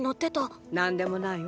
何でもないわ。